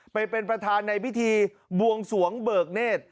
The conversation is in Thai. ไปเป็นประธานในพิธีบวงสวงเบิกเนธ